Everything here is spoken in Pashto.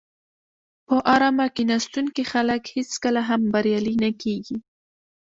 په آرامه کیناستونکي خلک هېڅکله هم بریالي نه کېږي.